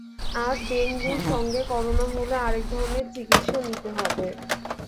আর ডেঙ্গুর সঙ্গে করোনা হলে আরেক ধরনের চিকিৎসা নিতে হবে।